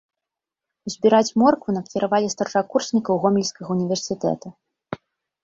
Збіраць моркву накіравалі старшакурснікаў гомельскага ўніверсітэта.